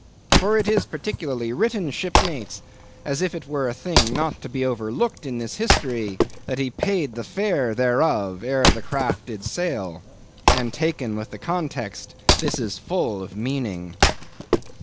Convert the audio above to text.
For it is particularly written, shipmates, as if it were a thing not to be overlooked in this history, 'that he paid the fare thereof' ere the craft did sail. And taken with the context, this is full of meaning.